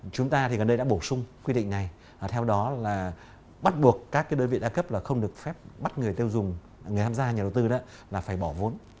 chúng ta thì gần đây đã bổ sung quy định này theo đó là bắt buộc các đối viện đa cấp là không được phép bắt người tiêu dùng người tham gia nhà đầu tư là phải bỏ vốn